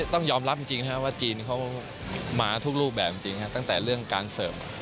ต้องยอมรับจริงว่าจีนเขามาทุกรูปแบบจริงตั้งแต่เรื่องการเสิร์ฟ